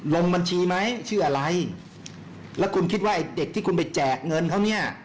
ลงบัญชีไหมชื่ออะไรแล้วคุณคิดว่าไอ้เด็กที่คุณไปแจกเงินเขาเนี่ย